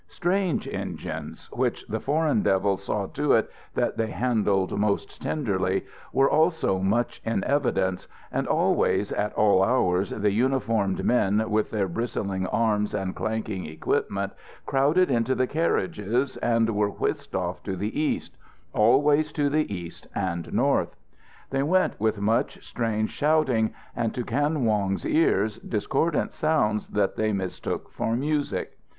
Strange engines, which the Foreign Devils saw to it that they handled most tenderly, were also much in evidence, and always, at all hours the uniformed men with their bristling arms and clanking equipment crowded into the carriages and were whisked off to the east, always to the east and north. They went with much strange shouting and, to Kan Wong's ears, discordant sounds that they mistook for music.